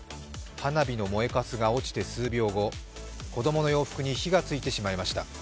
花火の燃えかすが落ちて、数秒後子供の洋服に火がついてしまいました。